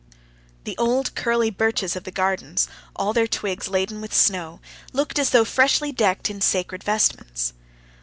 The old curly birches of the gardens, all their twigs laden with snow, looked as though freshly decked in sacred vestments.